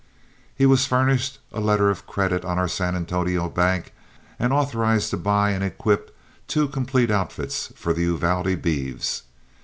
He was furnished a letter of credit on our San Antonio bank, and authorized to buy and equip two complete outfits for the Uvalde beeves.